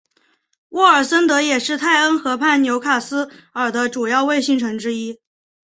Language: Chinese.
沃尔森德也是泰恩河畔纽卡斯尔的主要卫星城之一。